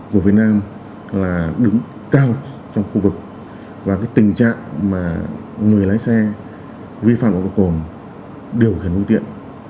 của việt nam là đứng cao trong khu vực và cái tình trạng mà người lái xe vi phạm uống cà cồn điều khiển ưu tiện